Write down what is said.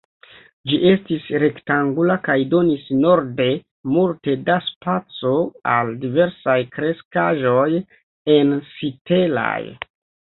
Ĝi estis rektangula kaj donis norde multe da spaco al diversaj kreskaĵoj ensitelaj.